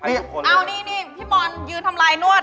ให้ทุกคนเลยเอ้านี่พี่บอลยืนทำลายนวด